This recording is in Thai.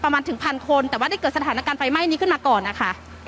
ประมาณถึงพันคนแต่ว่าได้เกิดสถานการณ์ไฟไหม้นี้ขึ้นมาก่อนนะคะ